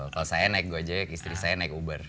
kalau saya naik gojek istri saya naik uber